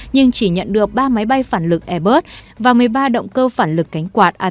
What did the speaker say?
nhưng chỉ nhận được ba máy bay phản lực airbus và một mươi ba động cơ phản lực cánh quạt ap